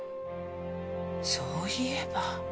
そういえば。